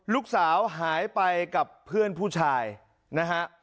ลูกสาวหายไปกับเพื่อนผู้ชายนะฮะ